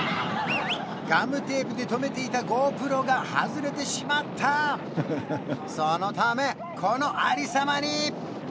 ガムテープでとめていたＧｏＰｒｏが外れてしまったそのためこのありさまに！